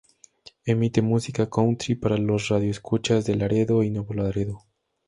Emite música "country" para los radioescuchas de Laredo y Nuevo Laredo.